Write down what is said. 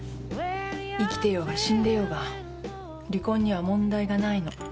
生きてようが死んでようが離婚には問題がないの。